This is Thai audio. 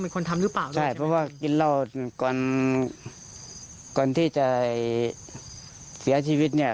คนทำหรือเปล่าด้วยใช่เพราะว่ากินเหล้าก่อนก่อนที่จะเสียชีวิตเนี่ย